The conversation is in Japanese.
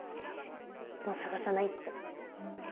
もう捜さないって。